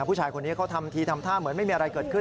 ผู้ชายคนนี้เขาทำทีทำท่าเหมือนไม่มีอะไรเกิดขึ้น